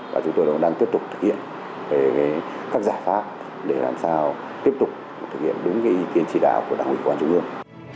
và chúng tôi cũng đang tiếp tục thực hiện về các giải pháp để làm sao tiếp tục thực hiện đúng ý kiến chỉ đạo của đảng quỹ quán trung ương